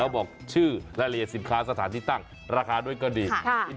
แล้วบอกชื่อและละเอียดสินค้าก็ดี